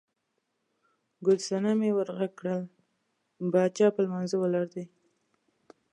ګل صنمې ور غږ کړل، باچا په لمانځه ولاړ دی.